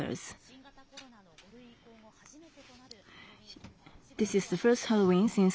新型コロナの５類移行後初めてとなるハロウィーン。